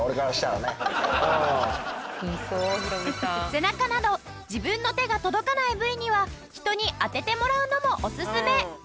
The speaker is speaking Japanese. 背中など自分の手が届かない部位には人に当ててもらうのもおすすめ。